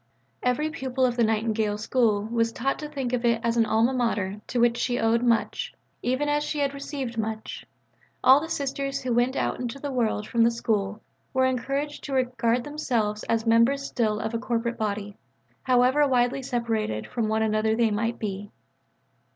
Every pupil of the Nightingale School was taught to think of it as an Alma Mater to which she owed much, even as she had received much; all the Sisters who went out into the world from the School were encouraged to regard themselves as members still of a corporate body, however widely separated from one another they might be.